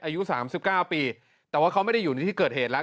อายุ๓๙ปีแต่ว่าเขาไม่ได้อยู่ในที่เกิดเหตุแล้ว